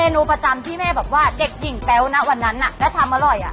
นูประจำที่แม่แบบว่าเด็กดิ่งแป๊วนะวันนั้นแล้วทำอร่อยอ่ะ